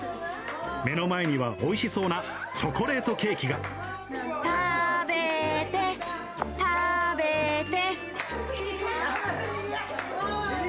目の前には、おいしそうなチョコたーべて、たーべて。